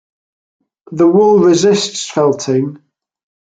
The wool resists felting.